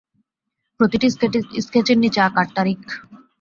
প্রতিটি স্কেচের নিচে আঁকার তারিখ।